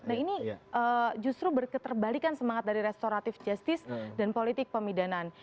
nah ini justru berketerbalikan semangat dari restoratif justice dan politik pemidanaan